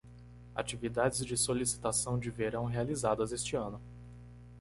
Atividades de solicitação de verão realizadas este ano